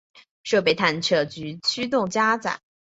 设备探测及驱动加载